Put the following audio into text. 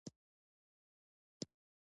اوس د لمر ټیکلي ته نه شم کتلی.